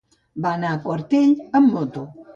Va anar a Quartell amb moto.